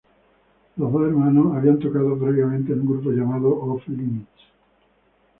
Los dos hermanos habían tocado previamente en un grupo llamado Off Limits.